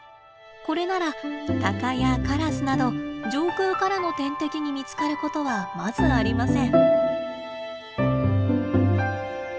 これならタカやカラスなど上空からの天敵に見つかることはまずありません。